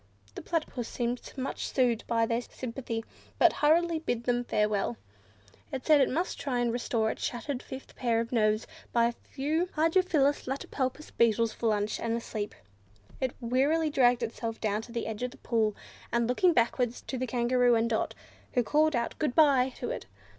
The Platypus seemed much soothed by their sympathy, but hurriedly bade them farewell. It said it must try and restore its shattered fifth pair of nerves by a few hydrophilus latipalpus beetles for lunch, and a sleep. It wearily dragged itself down to the edge of the pool, and looked backwards to the Kangaroo and Dot, who called out "Good bye" to it.